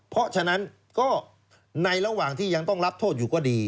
เพราะฉะนั้นก็ในระหว่างที่ยังต้องรับโทษอยู่ก็ดี